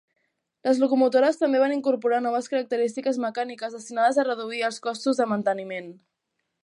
Les locomotores també van incorporar noves característiques mecàniques destinades a reduir els costos de manteniment.